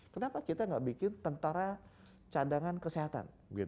kenapa kita nggak bikin tentara cadangan kesehatan